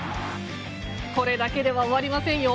これだけでは終わりませんよ。